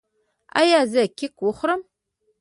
ایا زه کیک وخورم؟